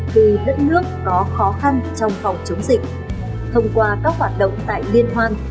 từ đất nước có khó khăn trong phòng chống dịch thông qua các hoạt động tại liên hoàn